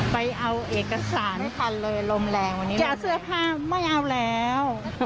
ไปเอาเอกสารฟันเลยลมแรงวันนี้ยาเสื้อผ้าไม่เอาแล้ว